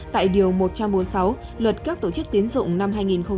tại điều một trăm bốn mươi sáu luật các tổ chức tiến dụng năm hai nghìn một mươi